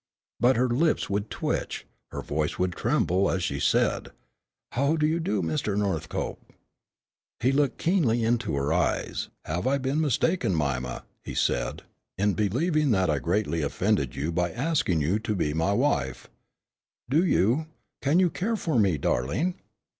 But her lips would twitch, and her voice would tremble as she said, "How do you do, Mr. Northcope?" He looked keenly into her eyes. "Have I been mistaken, Mima," he said, "in believing that I greatly offended you by asking you to be my wife? Do you can you care for me, darling?"